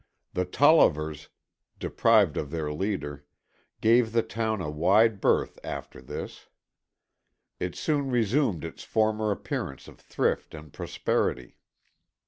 The Tollivers, deprived of their leader, gave the town a wide berth after this. It soon resumed its former appearance of thrift and prosperity.